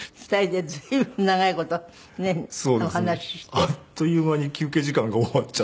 あっという間に休憩時間が終わっちゃって。